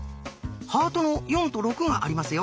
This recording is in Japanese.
ハートの「４」と「６」がありますよ。